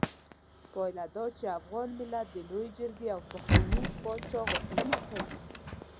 پايله دا وه چې افغان ملت د لویې جرګې او پخواني پاچا غوښتنه کوي.